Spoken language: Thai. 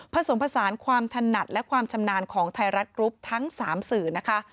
ผสมผสานความถนัดและความชำนาญของไทยรัฐกรุ๊ปทั้ง๓สื่อนะคะ